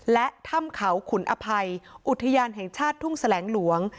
และถ้ำเขาขุนอภัยอุทยานแห่งชาติทุ่งแสลงหลวง